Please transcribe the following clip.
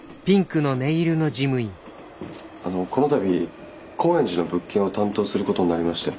あのこの度高円寺の物件を担当することになりまして。